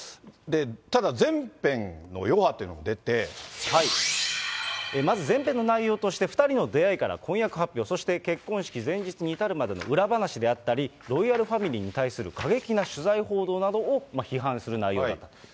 ただ、まず、前編の内容として、２人の出会いから婚約発表、そして結婚式前日に至るまでの裏話であったり、ロイヤルファミリーに対する過激な取材、報道などを批判する内容